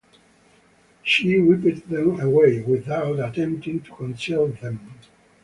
She wiped them away, without attempting to conceal them.